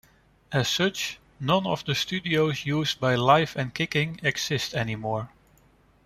As such, none of the studios used by "Live and Kicking" exist anymore.